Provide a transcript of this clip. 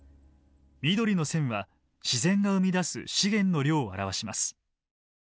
緑の線は自然が生み出す資源の量を表します。